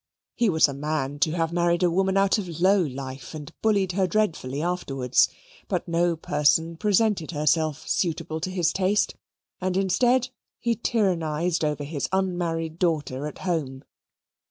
He was a man to have married a woman out of low life and bullied her dreadfully afterwards; but no person presented herself suitable to his taste, and, instead, he tyrannized over his unmarried daughter, at home.